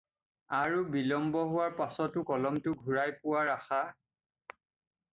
আৰু বিলম্ব হোৱাৰ পাছতো কলমটো ঘূৰাই পোৱাৰ আশা।